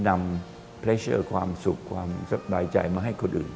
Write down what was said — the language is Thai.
กำลังความสุขความสบายใจมาให้คนอื่น